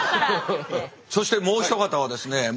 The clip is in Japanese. そしてもう一方はですね